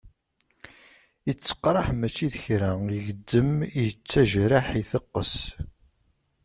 Yetteqraḥ mačči d kra, igezzem, yettajraḥ, iteqqes.